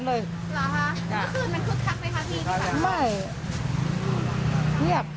เมื่อคู่ก็จะคักไปมาที่ในฝั่ง